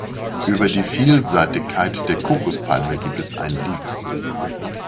Über die Vielseitigkeit der Kokospalme gibt es ein Lied.